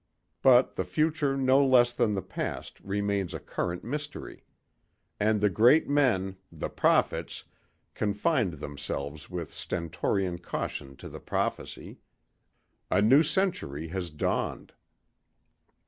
But the future no less than the past remains a current mystery. And the great men the prophets confined themselves with stentorian caution to the prophecy a new century has dawned.